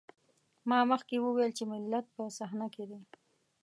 ما مخکې وويل چې ملت په صحنه کې دی.